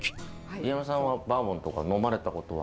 入山さんはバーボンとか呑まれたことは？